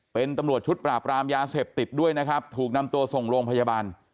เป็นตำรวจชุดปราบรามยาเสพติดด้วยนะครับถูกนำตัวส่งโรงพยาบาล